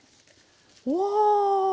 うわあ！